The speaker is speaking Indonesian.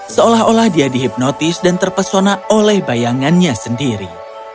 seolah olah dia dihipnotis dan terpesona oleh bayangannya sendiri